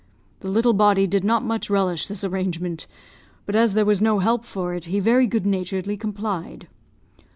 The little body did not much relish this arrangement; but as there was no help for it, he very good naturedly complied.